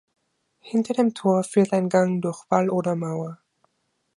Hinter dem Tor führt ein Gang durch Wall oder Mauer.